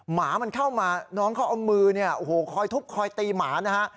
หมามันเข้ามาน้องเขาเอามือเนี่ยโอ้โหคอยทุบคอยตีหมานะฮะ